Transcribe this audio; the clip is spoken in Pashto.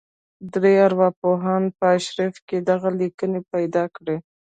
درې ارواپوهانو په ارشيف کې دغه ليکنې پیدا کړې.